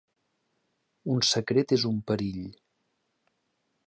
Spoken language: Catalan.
Un secret és un perill.